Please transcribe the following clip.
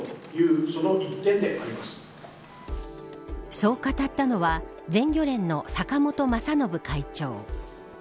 そう語ったのは全漁連の坂本雅信会長。